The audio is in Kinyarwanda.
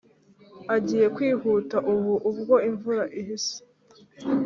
agiye kwihuta ubu ubwo imvura ihise.